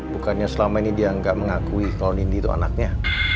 bukannya selama ini dia nggak mengakui kalau nindi itu anaknya